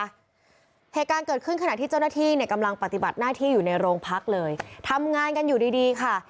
เหตุการณ์เกิดขึ้นขณะที่เจ้าหน้าที่เนี่ยกำลังปฏิบัติหน้าที่อยู่ในโรงพักเลยทำงานกันอยู่ดีดีค่ะ